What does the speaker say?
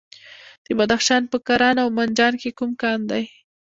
د بدخشان په کران او منجان کې کوم کان دی؟